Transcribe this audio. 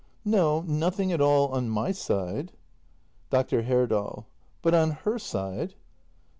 No; nothing at all — on my side. Dr. Herdal. But on her side